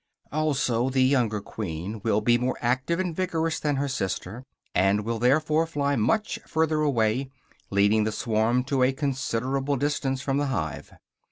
Also, the younger queen will be more active and vigorous than her sister, and will therefore fly much further away, leading the swarm to a considerable distance from the hive.